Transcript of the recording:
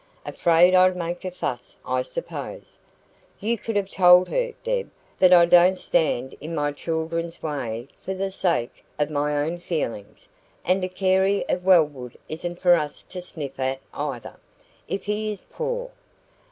Afraid I'd make a fuss, I suppose. You could have told her, Deb, that I don't stand in my children's way for the sake of my own feelings; and a Carey of Wellwood isn't for us to sniff at either, if he is poor.